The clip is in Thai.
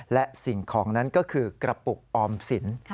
และสิ่งของนั้นก็คือกระปุกออมสิน